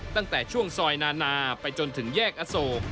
ตั้งแต่ช่วงซอยนานาไปจนถึงแยกอโศก